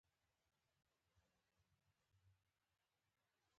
دوی شیعه ګان دي، خو په شیعه ګانو کې ډېر ناخبره خلک دي.